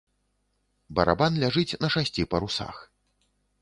Барабан ляжыць на шасці парусах.